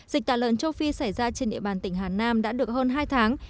dịch tả lợn châu phi xảy ra trên địa bàn tỉnh hà nam đã được hơn hai tháng